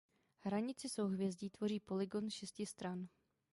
Hranici souhvězdí tvoří polygon šesti stran.